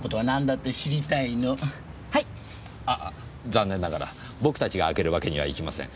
残念ながら僕たちが開けるわけにはいきません。